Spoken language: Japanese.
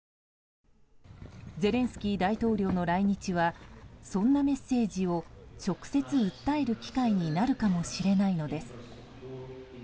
ゼレンスキー大統領の来日はそんなメッセージを直接訴える機会になるかもしれないのです。